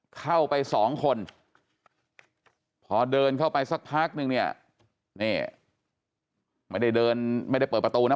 เข้าไปสองคนพอเดินเข้าไปสักพักนึงเนี่ยนี่ไม่ได้เดินไม่ได้เปิดประตูนะ